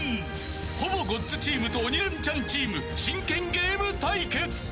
ほぼごっつチームと鬼レンチャンチームが真剣ゲーム対決。